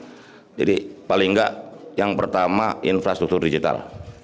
taduh satu dulu ya jadi paling enggak yang pertama infrastruktur digital